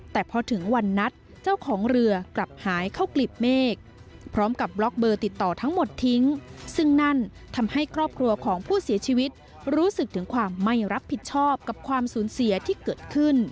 แต่พอถึงวันนัดเจ้าของเรือกลับหายเข้ากลิบเมฆพร้อมกับบล็อกเบอร์ติดต่อทั้งหมดทิ้งซึ่งนั่นทำให้ครอบครัวของผู้เสียชีวิตรู้สึกถึงความไม่รับผิดชอบกับความสูญเสียที่เกิดขึ้น